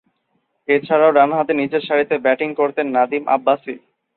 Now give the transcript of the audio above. এছাড়াও, ডানহাতে নিচেরসারিতে ব্যাটিং করতেন নাদিম আব্বাসি।